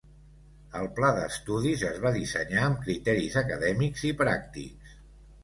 El pla d'estudis es va dissenyar amb criteris acadèmics i pràctics.